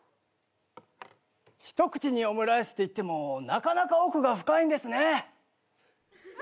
ひとくちにオムライスっていってもなかなか奥が深いんですね。